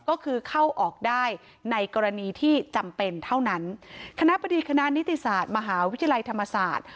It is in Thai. ก็คือเข้าออกได้ในกรณีที่จำเป็นเท่านั้นคณะบดีคณะนิติศาสตร์มหาวิทยาลัยธรรมศาสตร์